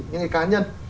những cái cá nhân